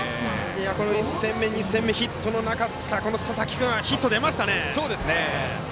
１戦目、２戦目ヒットのなかった佐々木君ヒット出ましたね。